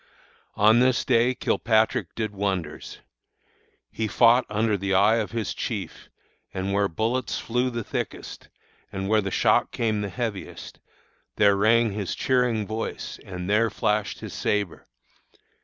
"On this day Kilpatrick did wonders. He fought under the eye of his chief, and where bullets flew the thickest, and where the shock came the heaviest, there rang his cheering voice and there flashed his sabre.